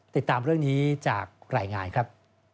ติดตามเรื่องนี้จากรายงานครับ